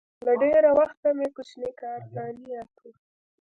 له ډېره وخته مې کوچني کار ته نیت و